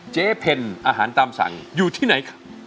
เจ๊เป็นอาหารตามสั่งอยู่ที่ไหน